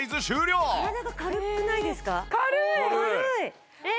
体が軽くないですか？